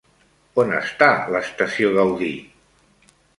On està l'estació Gaudí?